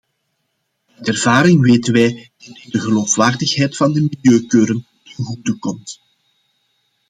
Uit ervaring weten wij dat dit de geloofwaardigheid van de milieukeuren ten goede komt.